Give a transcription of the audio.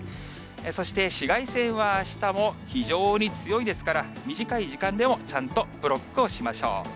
そして紫外線は、あしたも非常に強いですから、短い時間でもちゃんとブロックをしましょう。